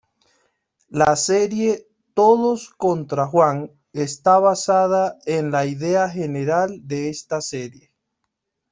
La serie "Todos contra Juan" está basada en la idea general de esta serie.